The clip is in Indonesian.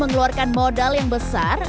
keluarkan modal yang besar